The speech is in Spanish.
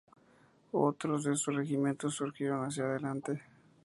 Otros de sus regimientos siguieron hacia adelante.